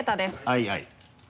はいはい。